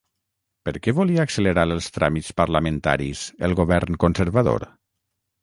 Per què volia accelerar els tràmits parlamentaris el govern conservador?